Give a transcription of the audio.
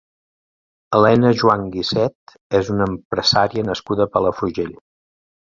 Elena Joan Guisset és una empresària nascuda a Palafrugell.